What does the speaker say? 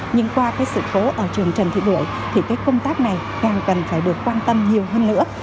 nhưng qua cái sự cố ở trường trần thị đuổi thì cái công tác này càng cần phải được quan tâm nhiều hơn nữa